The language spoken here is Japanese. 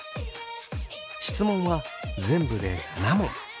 質問は全部で７問。